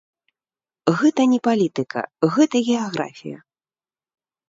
Гэта не палітыка, гэта геаграфія.